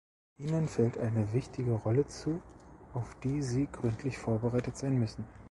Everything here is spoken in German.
Ihnen fällt eine wichtige Rolle zu, auf die sie gründlich vorbereitet sein müssen.